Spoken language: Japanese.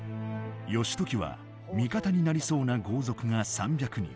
義時は味方になりそうな豪族が３００人